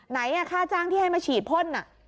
ค่าจ้างที่ให้มาฉีดพ่น